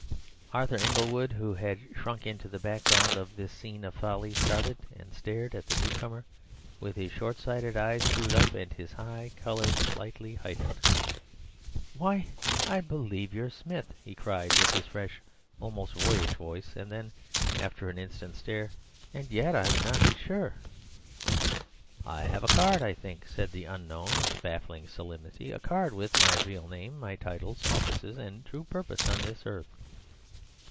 Arthur Inglewood, who had sunk into the background of this scene of folly, started and stared at the newcomer with his short sighted eyes screwed up and his high colour slightly heightened. "Why, I believe you're Smith," he cried with his fresh, almost boyish voice; and then after an instant's stare, "and yet I'm not sure." "I have a card, I think," said the unknown, with baffling solemnity—"a card with my real name, my titles, offices, and true purpose on this earth."